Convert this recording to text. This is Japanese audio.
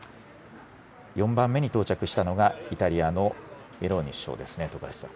４番目に到着したのが、イタリアのメローニ首相ですね、徳橋さん。